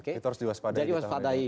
itu harus diwaspadai